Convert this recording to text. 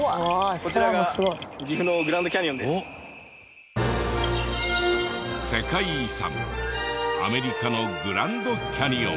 こちらが世界遺産アメリカのグランドキャニオン。